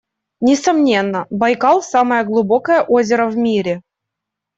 Несомненно, Байкал - самое глубокое озеро в мире.